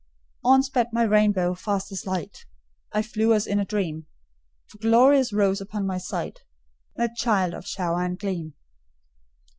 On sped my rainbow, fast as light; I flew as in a dream; For glorious rose upon my sight That child of Shower and Gleam.